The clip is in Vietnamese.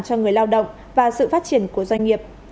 cho người lao động và sự phát triển của doanh nghiệp